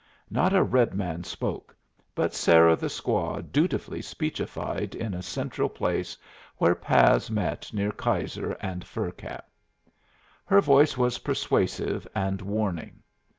Not a red man spoke, but Sarah the squaw dutifully speechified in a central place where paths met near Keyser and Fur Cap. Her voice was persuasive and warning.